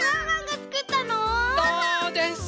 そうです。